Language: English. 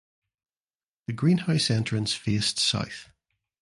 The greenhouse entrance faced south.